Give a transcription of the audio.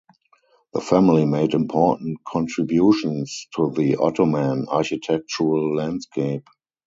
The family made important contributions to the Ottoman architectural landscape.